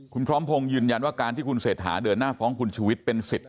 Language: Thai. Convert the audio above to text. คุณพร้อมพงศ์ยืนยันว่าการที่คุณเศรษฐาเดินหน้าฟ้องคุณชูวิทย์เป็นสิทธิ์